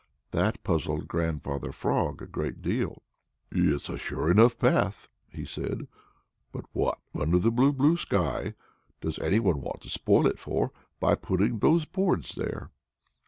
That puzzled Grandfather Frog a great deal. "It's a sure enough path," said he. "But what under the blue, blue sky does any one want to spoil it for by putting those boards there?"